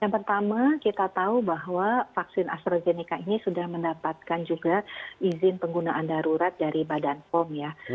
yang pertama kita tahu bahwa vaksin astrazeneca ini sudah mendapatkan juga izin penggunaan darurat dari badan pom ya